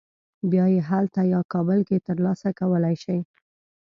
بیا یې هلته یا کابل کې تر لاسه کولی شې.